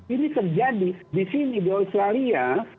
ini terjadi di sini di australia